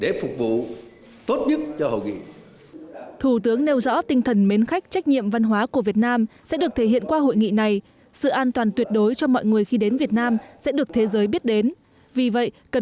đã tích cực chuẩn bị cho hội nghị thủ tướng hoan nghênh các bộ ngành cơ quan liên quan các địa phương công ty đơn vị được giao nhiệm vụ